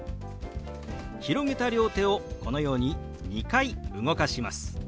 広げた両手をこのように２回動かします。